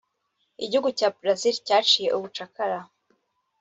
Igihugu cya Brazil cyaciye ubucakara